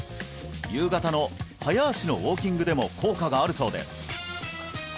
夕方の早足のウォーキングでも効果があるそうです